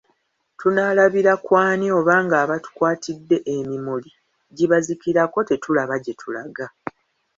Tunaalabira ku ani oba nga abatukwatidde emimuli gibazikirako tetulaba gyetulaga!